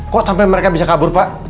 kok sampai mereka bisa kabur pak